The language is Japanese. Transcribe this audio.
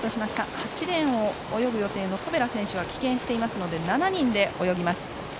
８レーンを泳ぐ予定のトベラ選手は棄権していますので７人で泳ぎます。